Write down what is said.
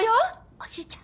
おじいちゃん。